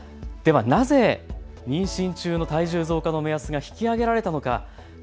ではなぜ妊娠中の体重増加の目安が引き上げられたのか。